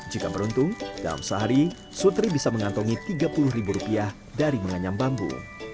jika beruntung dalam sehari sutri bisa mengantongi rp tiga puluh dari menganyam bambu